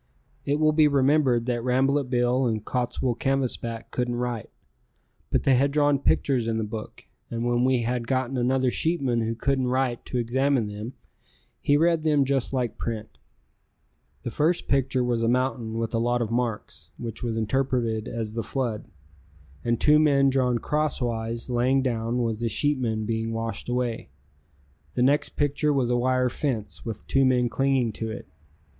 It will be remembered that Rambolet Bill and Cottswool Canvasback couldn't write, but they had drawn pictures in the book, and when we had gotten another sheepman who couldn't write to examine them he read them just like print. The first picture was a mountain with a lot of marks, which was interpreted as the flood, and two men drawn crosswise laying down was the sheepmen being washed away. The next picture was a wire fence with two men clinging to it.